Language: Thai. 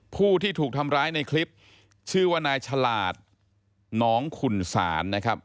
ผู้ที่ถูกทำร้ายในคลิปชื่อว่านายฉลาดน้องขุนศาลนะครับ